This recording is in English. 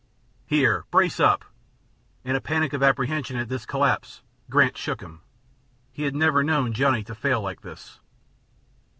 "Here! Brace up!" In a panic of apprehension at this collapse Grant shook him; he had never known Johnny to fail like this.